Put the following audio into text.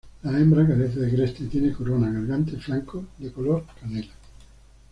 La hembra carece de cresta y tiene corona, garganta y flancos de color canela.